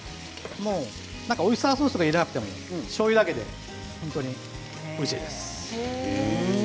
オイスターソースを入れなくても、しょうゆだけでおいしいです。